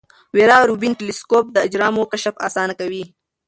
ویرا روبین ټیلسکوپ د اجرامو کشف اسانه کوي.